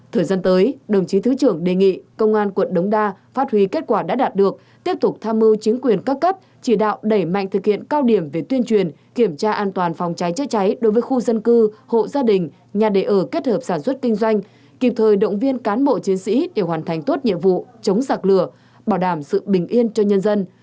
thời gian tới đồng chí thứ trưởng đề nghị công an quận đống đa phát huy kết quả đã đạt được tiếp tục tham mưu chính quyền cấp cấp chỉ đạo đẩy mạnh thực hiện cao điểm về tuyên truyền kiểm tra an toàn phòng cháy chế cháy đối với khu dân cư hộ gia đình nhà đề ở kết hợp sản xuất kinh doanh kịp thời động viên cán bộ chiến sĩ để hoàn thành tốt nhiệm vụ chống sạc lửa bảo đảm sự bình yên cho nhân dân